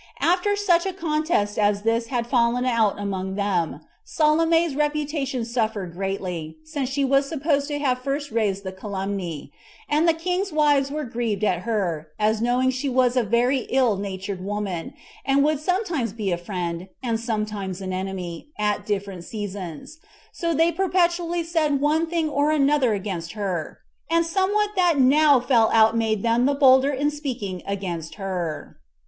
After such a contest as this had fallen out among them, Salome's reputation suffered greatly, since she was supposed to have first raised the calumny; and the king's wives were grieved at her, as knowing she was a very ill natured woman, and would sometimes be a friend, and sometimes an enemy, at different seasons: so they perpetually said one thing or another against her; and somewhat that now fell out made them the bolder in speaking against her.